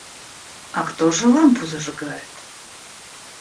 А кто же лампу зажигает?